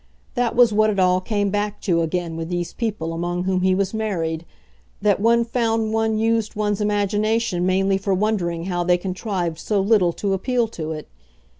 That was what it all came back to again with these people among whom he was married that one found one used one's imagination mainly for wondering how they contrived so little to appeal to it.